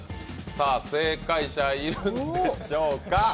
正解者いるんでしょうか？